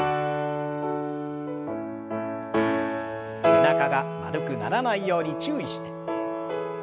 背中が丸くならないように注意して。